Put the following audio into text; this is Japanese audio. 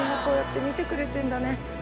こうやって見てくれてるんだね。